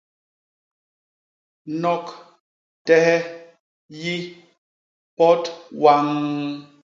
Nok, tehe, yi, pot waññ!